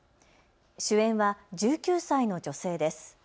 主演は１９歳の女性です。